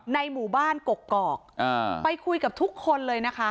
ในหมู่บ้านกกอกไปคุยกับทุกคนเลยนะคะ